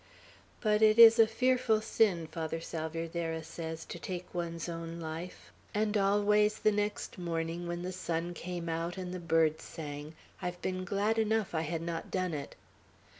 But it is a fearful sin, Father Salvierderra says, to take one's own life; and always the next morning, when the sun came out, and the birds sang, I've been glad enough I had not done it.